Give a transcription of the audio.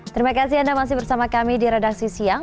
terima kasih anda masih bersama kami di redaksi siang